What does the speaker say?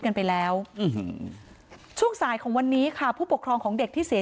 กันไปแล้วช่วงสายของวันนี้ค่ะผู้ปกครองของเด็กที่เสีย